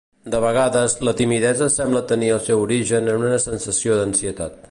De vegades, la timidesa sembla tenir el seu origen en una sensació d'ansietat.